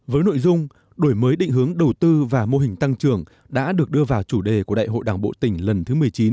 với nội dung đổi mới định hướng đầu tư và mô hình tăng trưởng đã được đưa vào chủ đề của đại hội đảng bộ tỉnh lần thứ một mươi chín